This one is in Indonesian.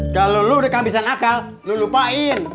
kalau lu udah kehabisan akal lu lupain